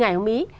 ngày hôm ý